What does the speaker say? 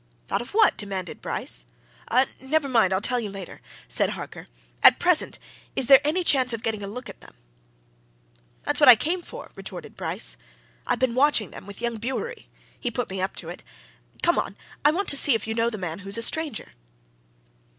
"Thought of what?" demanded Bryce. "Never mind! tell you later," said Harker. "At present, is there any chance of getting a look at them?" "That's what I came for," retorted Bryce. "I've been watching them, with young Bewery. He put me up to it. Come on! I want to see if you know the man who's a stranger."